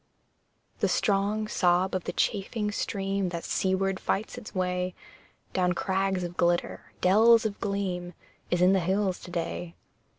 The strong sob of the chafing stream That seaward fights its way Down crags of glitter, dells of gleam, Is in the hills to day.